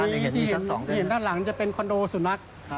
อันนี้ที่เห็นด้านหลังจะเป็นคอนโดสุนัข